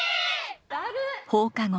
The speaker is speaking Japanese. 放課後。